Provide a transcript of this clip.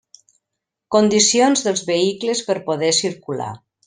Condicions deis vehicles per poder circular.